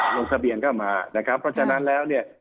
ลงทะเบียนเข้ามานะครับเพราะฉะนั้นแล้วเนี่ย